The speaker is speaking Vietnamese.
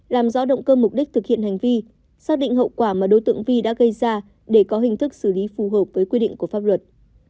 làm rõ động cơ mục đích thực hiện hành vi xác định hậu quả mà đối tượng vi đã gây ra để có hình thức xử lý phù hợp với quy định của pháp luật